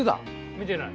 見てない。